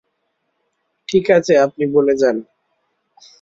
ঠিক আছে, আপনি বলে যান।